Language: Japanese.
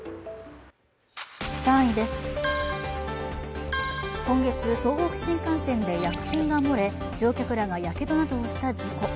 ３位です、今月、東北新幹線で薬品が漏れ乗客らがやけどなどをした事故。